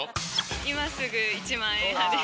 今すぐ１万円派です。